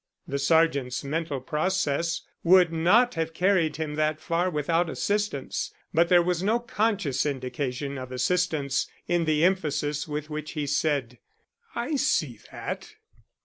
The sergeant's mental process would not have carried him that far without assistance, but there was no conscious indication of assistance in the emphasis with which he said: "I see that."